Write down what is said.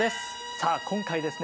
さあ今回ですね